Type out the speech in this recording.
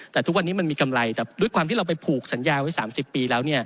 แต่ทุกวันนี้มันมีกำไรแต่ด้วยความที่เราไปผูกสัญญาไว้๓๐ปีแล้ว